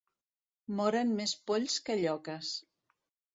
Moren més polls que lloques.